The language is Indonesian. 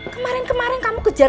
kemarin kemarin kamu kejar